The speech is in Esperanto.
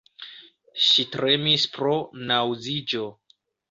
Ŝi tremis pro naŭziĝo.